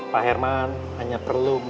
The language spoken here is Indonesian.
pak herman hanya perlu menetapkan diri